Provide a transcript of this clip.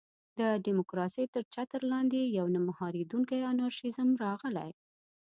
د ډیموکراسۍ تر چتر لاندې یو نه مهارېدونکی انارشېزم راغلی.